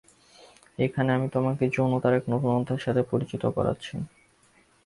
এখানে, আমি তোমাকে যৌনতার এক নতুন অধ্যায়ের সাথে পরিচিত করাচ্ছি।